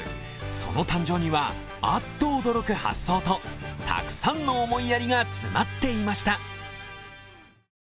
その誕生には、あっと驚く発想とたくさんの思いやりが詰まっていました。